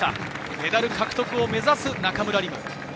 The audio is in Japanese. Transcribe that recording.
メダル獲得を目指す中村輪夢。